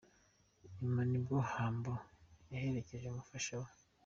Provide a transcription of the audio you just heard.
nyuma nibwo Humble yaherekeje umufasha we.